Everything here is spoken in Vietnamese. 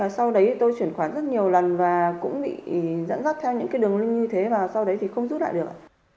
sau đấy thì tôi chuyển khoản rất nhiều lần và cũng bị dẫn dắt theo những cái đường link như thế và sau đấy thì không rút lại được